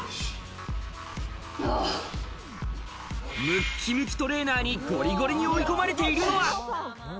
ムキムキトレーナーにゴリゴリに追い込まれているのは。